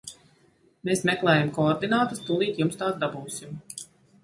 Mēs meklējam koordinātas, tūlīt jums tās dabūsim.